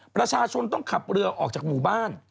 ประชาชนต้องขับเรือออกจากหมู่บ้าน